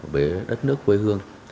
với đất nước quê hương